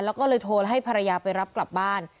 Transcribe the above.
แล้วก็เลยโทรให้ภรรยาไปรับกลับบ้าน